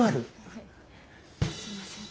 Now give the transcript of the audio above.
すいません。